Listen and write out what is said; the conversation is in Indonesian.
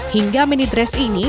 hingga mini dress ini